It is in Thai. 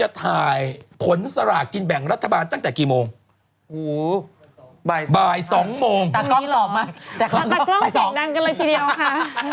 โอ้บ่าย๒โมงดักกล้องต่อมาตักกล้องเกร็งดังกันเลยทีเดียวค่ะ